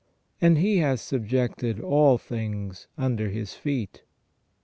And He hath subjected all things under His feet."